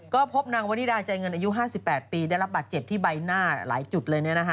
ก็พบนางวนิดาใจเงินอายุ๕๘ปีได้รับบาดเจ็บที่ใบหน้าหลายจุดเลย